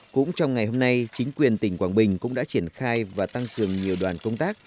cũng trong ngày hôm nay chính quyền tỉnh quảng bình cũng đã triển khai và tăng cường nhiều đoàn công tác